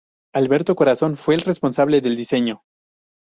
Alberto Corazón fue el responsable del diseño.